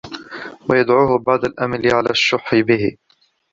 وَيَدْعُوهُ بُعْدُ الْأَمَلِ عَلَى الشُّحِّ بِهِ